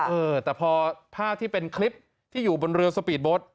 เออแต่พอภาพที่เป็นคลิปที่อยู่บนเรือสปีดโบ๊ท